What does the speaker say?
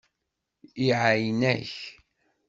Iɛeyyen-ak.